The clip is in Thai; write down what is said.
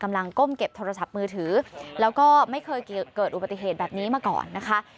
ก้มเก็บโทรศัพท์มือถือแล้วก็ไม่เคยเกิดอุบัติเหตุแบบนี้มาก่อนนะคะ